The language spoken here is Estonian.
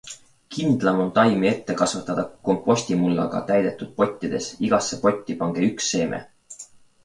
Kindlam on taimi ette kasvatada kompostmullaga täidetud pottides, igasse potti pange üks seeme.